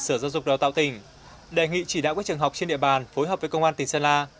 sở giáo dục đào tạo tỉnh đề nghị chỉ đạo các trường học trên địa bàn phối hợp với công an tỉnh sơn la